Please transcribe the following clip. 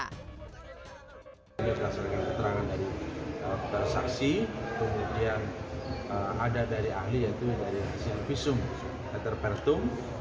kita telah selesai dengan keterangan dari petersaksi kemudian ada dari ahli yaitu dari servisum